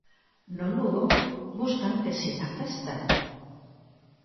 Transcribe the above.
No Lugo buscan que siga a festa.